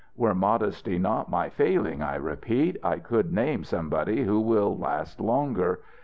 Were modesty not my failing, I repeat, I could name somebody who will last longer.